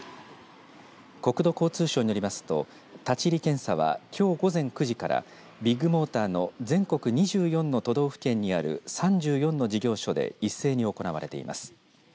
国土交通省によりますと立ち入り検査はきょう午前９時からビッグモーターの全国２４の都道府県にある３４の事業所で一斉に行われています。